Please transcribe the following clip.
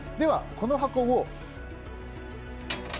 この箱を。